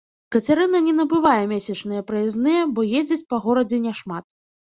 Кацярына не набывае месячныя праязныя, бо ездзіць па горадзе няшмат.